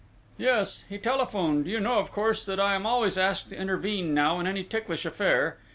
"Yes, he telephoned. You know, of course, that I am always asked to intervene now in any ticklish affair!...